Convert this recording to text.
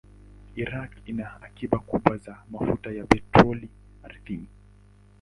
Iraq ina akiba kubwa za mafuta ya petroli ardhini.